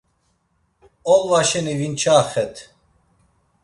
Olva şeni vinçaxet.